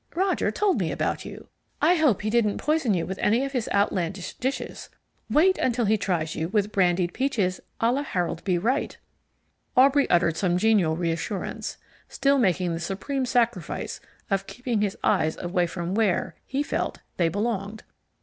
"Roger told me about you. I hope he didn't poison you with any of his outlandish dishes. Wait till he tries you with brandied peaches a la Harold Bell Wright." Aubrey uttered some genial reassurance, still making the supreme sacrifice of keeping his eyes away from where (he felt) they belonged.